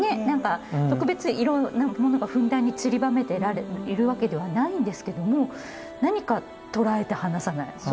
何か特別いろんなものがふんだんにちりばめているわけではないんですけども何かとらえて離さない。